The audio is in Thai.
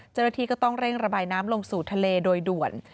เจ้าหน้าที่ก็ต้องเร่งระบายน้ำลงสู่ทะเลโดยด่วน